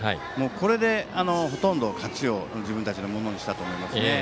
これでほとんど勝ちを自分たちのものにしたと思います。